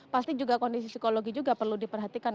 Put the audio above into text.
pasti juga kondisi psikologi juga perlu diperhatikan